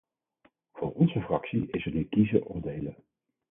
Voor onze fractie is het nu kiezen of delen.